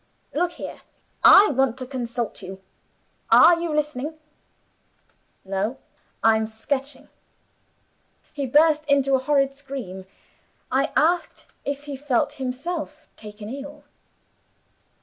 'Look here; I want to consult you are you listening?' 'No; I'm sketching.' He burst into a horrid scream. I asked if he felt himself taken ill.